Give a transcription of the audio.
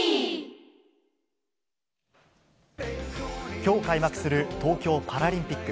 きょう開幕する東京パラリンピック。